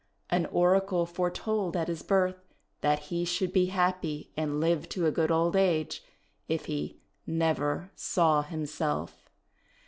An oracle foretold at his birth that he should be happy and live to a good old age if he "never saw himself."